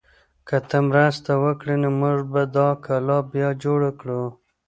که ته مرسته وکړې نو موږ به دا کلا بیا جوړه کړو.